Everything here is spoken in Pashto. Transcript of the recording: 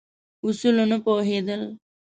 اصولو نه پوهېدل.